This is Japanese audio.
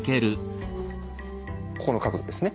この角度ですね。